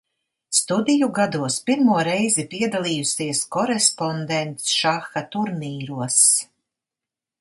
Studiju gados pirmo reizi piedalījusies korespondencšaha turnīros.